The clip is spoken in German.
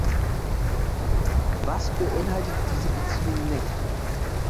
Was beinhaltet diese Beziehung nicht?